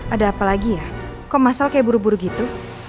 ada apa lagi ya kok masal kayak buru buru gitu